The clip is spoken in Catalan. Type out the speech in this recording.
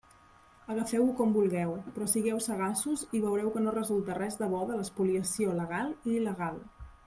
Agafeu-ho com vulgueu, però sigueu sagaços i veureu que no resulta res de bo de l'espoliació legal i il·legal.